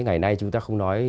ngày nay chúng ta không nói